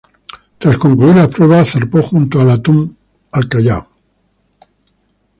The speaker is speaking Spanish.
Tras concluir las pruebas, zarpó junto al "Atún" al Callao.